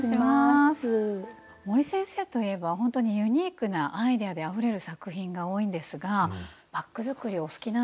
森先生といえばほんとにユニークなアイデアであふれる作品が多いんですがバッグ作りはお好きなんですか？